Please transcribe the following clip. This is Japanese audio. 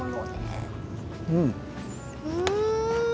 うん。